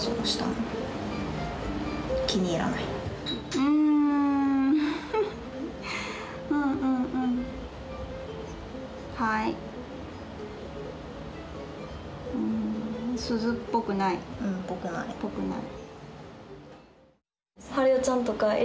うんっぽくない。